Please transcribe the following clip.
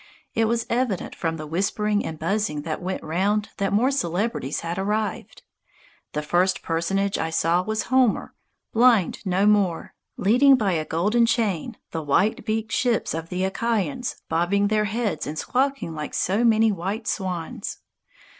It was evident from the whispering and buzzing that went round that more celebrities had arrived. The first personage I saw was Homer, blind no more, leading by a golden chain the white beaked ships of the Achaians bobbing their heads and squawking like so many white swans.